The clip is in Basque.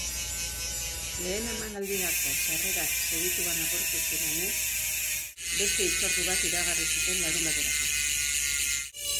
Lehen emanaldirako sarrerak segituan agortu zirenez, beste hitzordu bat iragarri zuten larunbaterako.